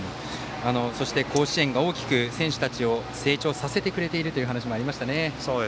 そして、甲子園が大きく選手たちを成長させてくれているという話もありましたね。